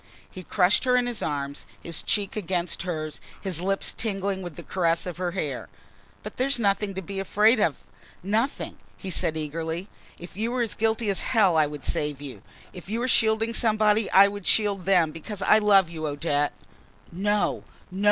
He crushed her in his arms, his cheek against hers, his lips tingling with the caress of her hair. "But there is nothing to be afraid of, nothing," he said eagerly. "If you were as guilty as hell, I would save you! If you are shielding somebody I would shield them because I love you, Odette!" "No, no!"